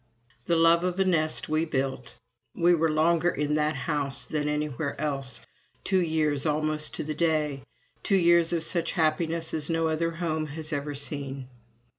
The love of a nest we built! We were longer in that house than anywhere else: two years almost to the day two years of such happiness as no other home has ever seen.